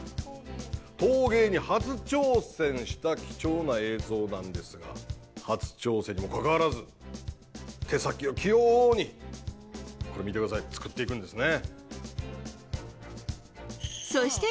陶芸に初挑戦した貴重な映像なんですが、初挑戦にもかかわらず、手先を器用に、これ、見てください、作っていくんですね。